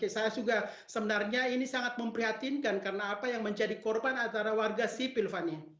saya juga sebenarnya ini sangat memprihatinkan karena apa yang menjadi korban antara warga sipil fani